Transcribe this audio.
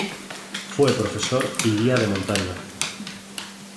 Fue profesor y guía de montaña.